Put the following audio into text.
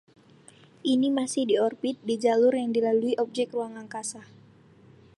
Ini masih di orbit (di jalur yang dillaui objek ruang angkasa).